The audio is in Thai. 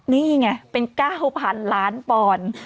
นี่ไงเป็น๙๐๐๐ล้านปอนด์